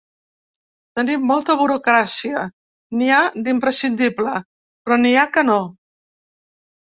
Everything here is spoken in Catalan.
Tenim molta burocràcia, n’hi ha d’imprescindible, però n’hi ha que no.